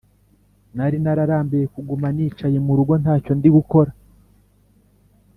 Nari nararambiwe kuguma nicaye murugo ntacyo ndigukora